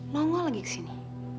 nongol lagi kesini